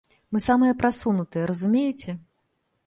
Мы самыя прасунутыя, разумееце?